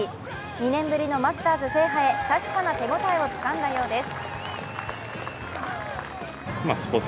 ２年ぶりのマスターズ制覇へ確かな手応えをつかんだようです。